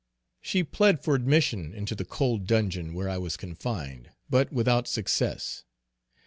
She plead for admission into the cold dungeon where I was confined, but without success.